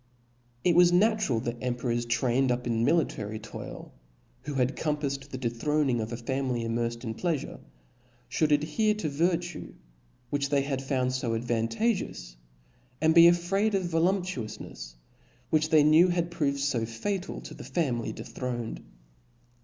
It was natural, that emperors trained up in mili tary toil, who had compaffed the dethroning of a family immerfed in pleafure, IhouJd adhere to virtue, which they had found fo advantageous^ and be afraid of voluptuoufnefs, which they knew had proved fo fatal to the family dethroned.